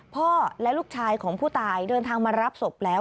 ลูกชายและลูกชายของผู้ตายเดินทางมารับศพแล้ว